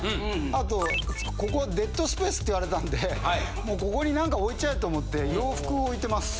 あとここデッドスペースって言われたんでもうここに何か置いちゃえと思って洋服を置いてます。